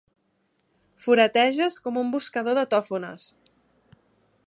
Fureteges com un buscador de tòfones.